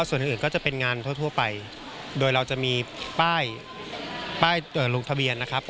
ส่วนอื่นก็จะเป็นงานทั่วไปโดยเราจะมีป้ายลงทะเบียนนะครับ